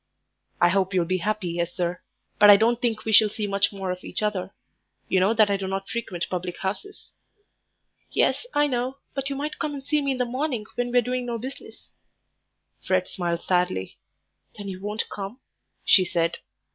"I hope you'll be happy, Esther, but I don't think we shall see much more of each other. You know that I do not frequent public houses." "Yes, I know; but you might come and see me in the morning when we're doing no business." Fred smiled sadly. "Then you won't come?" she said.